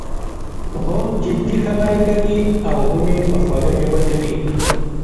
هم جدي خبره کوي او هم یې په خوږه ژبه کوي.